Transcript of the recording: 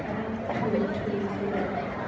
พี่แม่ที่เว้นได้รับความรู้สึกมากกว่า